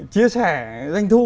chia sẻ danh thu